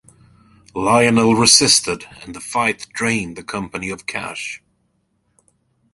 Lionel resisted and the fight drained the company of cash.